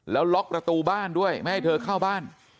แล้วล็อกประตูบ้านด้วยไม่ให้เธอเข้าบ้าน